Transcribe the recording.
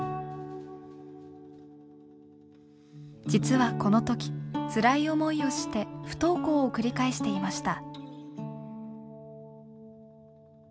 実はこの時つらい思いをして不登校を繰り返していました。